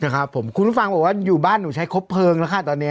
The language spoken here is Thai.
ครับผมคุณผู้ฟังบอกว่าอยู่บ้านหนูใช้ครบเพลิงแล้วค่ะตอนนี้